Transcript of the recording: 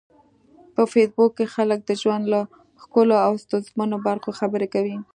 په فېسبوک کې خلک د ژوند له ښکلو او ستونزمنو برخو خبرې کوي